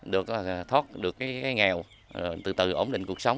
được là thoát được cái nghèo từ từ ổn định cuộc sống